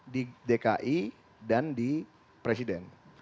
di dki dan di presiden